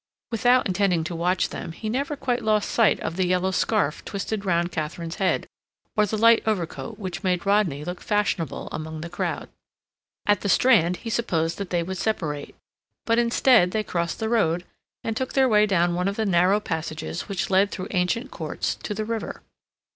Without intending to watch them he never quite lost sight of the yellow scarf twisted round Katharine's head, or the light overcoat which made Rodney look fashionable among the crowd. At the Strand he supposed that they would separate, but instead they crossed the road, and took their way down one of the narrow passages which lead through ancient courts to the river.